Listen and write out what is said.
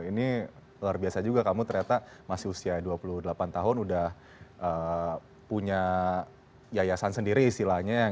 ini luar biasa juga kamu ternyata masih usia dua puluh delapan tahun udah punya yayasan sendiri istilahnya